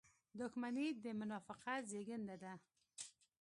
• دښمني د منافقت زېږنده ده.